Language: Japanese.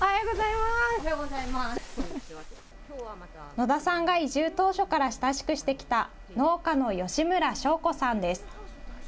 野田さんが移住当初から親しくしてきた農家の吉村昌子さんです。